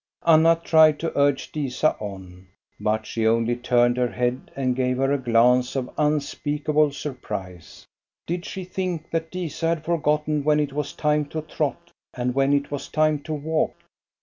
Anna tried to urge Disa on, but she only turned her head and gave her a glance of unspeakable surprise. Did she think that Disa had forgotten when it was time to trot and when it was time to walk